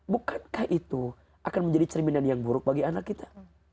bukankah itu akan menjadi cerminan yang buruk bagi anak kita